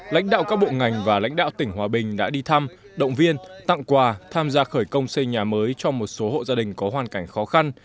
lãnh đạo các bộ ngành và lãnh đạo tỉnh hòa bình đã đi thăm động viên tặng quà tham gia khởi công xây nhà mới cho một số hộ gia đình có hoàn cảnh khó khăn